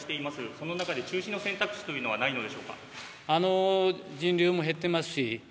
その中で中止の選択肢というのはないのでしょうか？